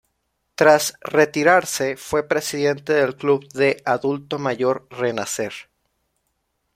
Tras retirarse, fue presidente del Club de Adulto Mayor Renacer.